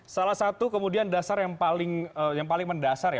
salah satu kemudian dasar yang paling mendasar ya